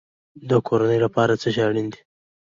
د کورنۍ لپاره څه شی اړین دی؟